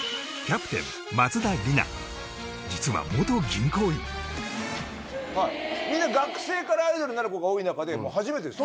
実はみんな学生からアイドルになる子が多い中で初めてです。